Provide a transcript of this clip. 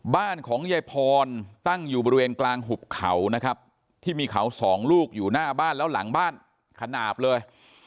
บ้านของยายพรตั้งอยู่บริเวณกลางหุบเขานะครับที่มีเขาสองลูกอยู่หน้าบ้านแล้วหลังบ้านขนาดเลย